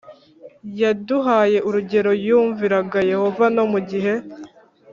Yaduhaye urugero yumviraga yehova no mu gihe